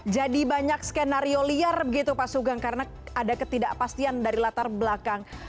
jadi banyak skenario liar begitu pak sugeng karena ada ketidakpastian dari latar belakang